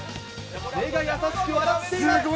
目が優しく笑っている。